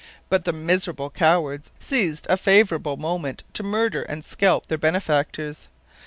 But the miserable cowards seized a favourable moment to murder and scalp their benefactors.